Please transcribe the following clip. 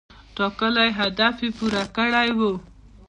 ټاکلی هدف یې پوره کړی و.